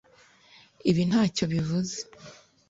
Ibi ntacyo bivuze